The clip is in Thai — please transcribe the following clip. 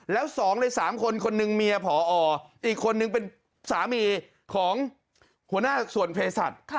แล้ว๒ใน๓คนคนหนึ่งเมียผออีกคนนึงเป็นสามีของหัวหน้าส่วนเพศสัตว์